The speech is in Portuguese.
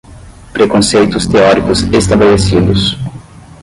preconceitos teóricos estabelecidos